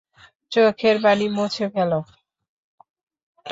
চোখের পানি মুছে ফেল।